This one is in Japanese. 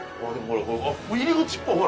入り口っぽいほら。